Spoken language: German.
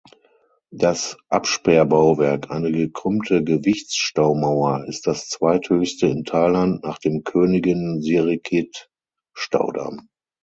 Das Absperrbauwerk, eine gekrümmte Gewichtsstaumauer, ist das zweithöchste in Thailand nach dem Königin-Sirikit-Staudamm.